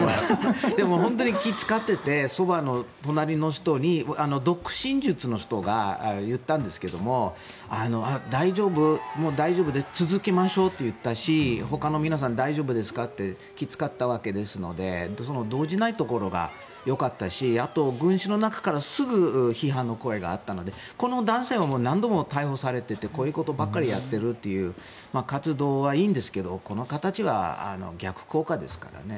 でも、気を使ってて隣の人に読唇術の人が言ったんですけども大丈夫、もう大丈夫です続けましょうって言ったしほかの皆さん、大丈夫ですかと気を使ったわけですので動じないところがよかったしあと、群衆の中からすぐに批判の声があったのでこの男性は何度も逮捕されていてこういうことばかりをやっているという活動はいいんですけどこの形は逆効果ですからね。